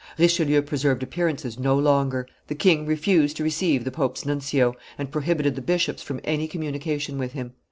Richelieu preserved appearances no longer; the king refused to receive the pope's nuncio, and prohibited the bishops from any communication with him.